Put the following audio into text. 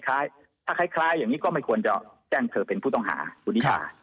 คล้ายถ้าคล้ายอย่างนี้ก็ไม่ควรจะแจ้งเธอเป็นผู้ต้องหาคุณนิชา